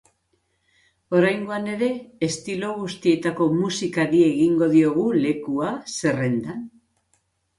Oraingoan ere, estilo guztietako musikari egingo diogu lekua zerrendan.